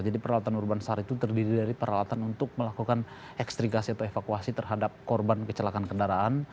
jadi peralatan urban sar itu terdiri dari peralatan untuk melakukan ekstrikasi atau evakuasi terhadap korban kecelakaan kendaraan